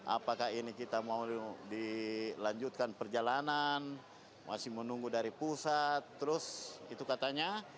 apakah ini kita mau dilanjutkan perjalanan masih menunggu dari pusat terus itu katanya